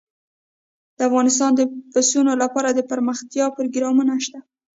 افغانستان کې د پسونو لپاره دپرمختیا پروګرامونه شته.